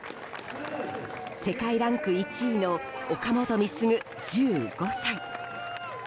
世界ランク１位の岡本碧優、１５歳。